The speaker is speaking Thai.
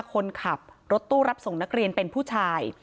คนขับรถตู้รับส่งนักเรียนเป็นผู้ชาย